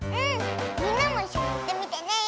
みんなもいっしょにいってみてね！